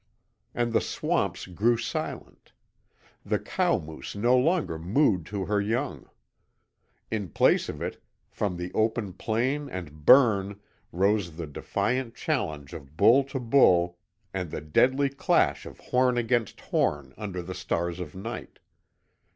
And the swamps grew silent. The cow moose no longer mooed to her young. In place of it, from the open plain and "burn" rose the defiant challenge of bull to bull and the deadly clash of horn against horn under the stars of night.